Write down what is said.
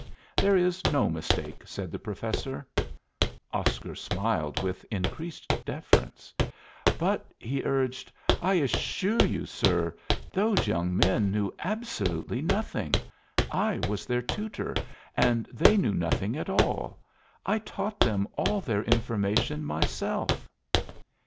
"There is no mistake," said the Professor. Oscar smiled with increased deference. "But," he urged, "I assure you, sir, those young men knew absolutely nothing. I was their tutor, and they knew nothing at all. I taught them all their information myself."